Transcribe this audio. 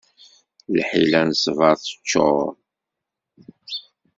Lḥila n ṣṣbeṛ teččuṛ.